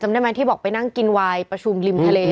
จำได้มั้ยที่บอกไปนั่งกินวาล